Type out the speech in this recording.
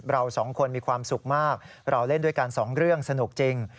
เราสองคนมีความสุขมากเราเล่นด้วยกันสองเรื่องสนุกจริง